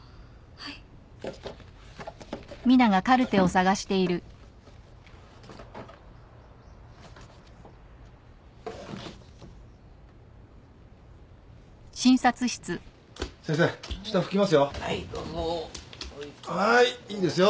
はいいいですよ。